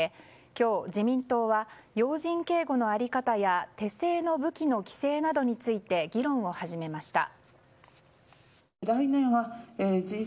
今日、自民党は要人警護の在り方や手製の武器の規制などについて議論を始めました。